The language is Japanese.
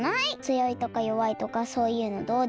つよいとかよわいとかそういうのどうでもいい。